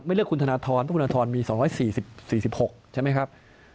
ไม่เลือกคุณธนทรคุณธนทรมี๒๔๖ใช่ไหมครับ